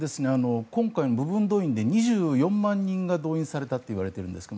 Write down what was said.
今回の部分動員で２４万人が動員されたといわれているんですね。